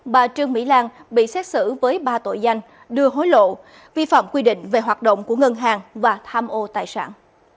bà trương mỹ lan bị xét xử với ba tội danh đưa hối lộ vi phạm quy định về hoạt động của ngân hàng và tham ô tài sản